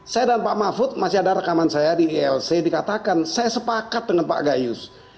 saya dan pak mahfud masih ada rekaman saya di ilc dikatakan saya sepakat dengan pak gayus